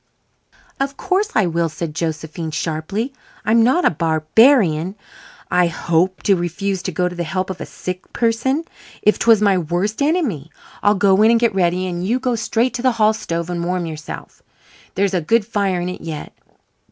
"Of course I will," said Josephine sharply. "I'm not a barbarian, I hope, to refuse to go to the help of a sick person, if 'twas my worst enemy. I'll go in and get ready and you go straight to the hall stove and warm yourself. There's a good fire in it yet.